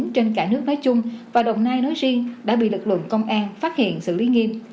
trên cả nước nói chung và đồng nai nói riêng đã bị lực lượng công an phát hiện xử lý nghiêm